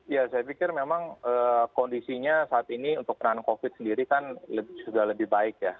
ya saya pikir memang kondisinya saat ini untuk penanganan covid sendiri kan sudah lebih baik ya